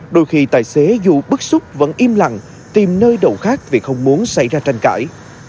đôi khi tài xế dù bức xúc vẫn im lặng tìm nơi đầu khác vì không muốn xảy ra tranh cãi